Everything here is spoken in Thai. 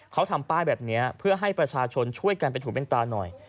เขาทำป้ายแบบนี้เพื่อให้ประชาชนช่วยกันเป็นถูเป็นตาหน่อย